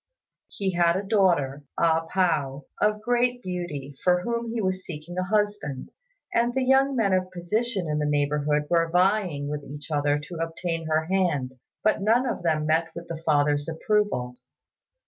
He had a daughter, A pao, of great beauty, for whom he was seeking a husband; and the young men of position in the neighbourhood were vying with each other to obtain her hand, but none of them met with the father's approval.